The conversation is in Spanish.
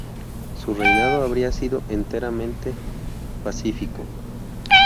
Su reinado habría sido enteramente pacífico.